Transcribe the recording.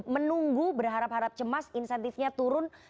menunggu berharap harap cemas insentifnya turun